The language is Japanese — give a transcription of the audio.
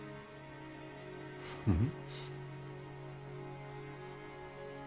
うん？